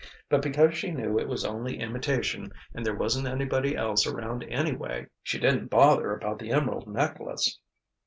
But, because she knew it was only imitation and there wasn't anybody else around anyway, she didn't bother about the emerald necklace."